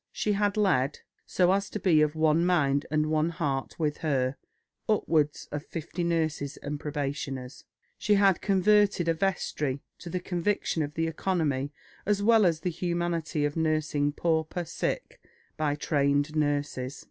She had led, so as to be of one mind and one heart with her, upwards of fifty nurses and probationers.... She had converted a vestry to the conviction of the economy as well as the humanity of nursing pauper sick by trained nurses....